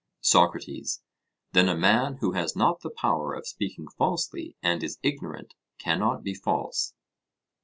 SOCRATES: Then a man who has not the power of speaking falsely and is ignorant cannot be false?